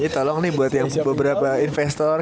jadi tolong nih buat yang beberapa investor